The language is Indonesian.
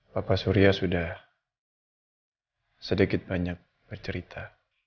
bapak surya sudah sedikit banyak bercerita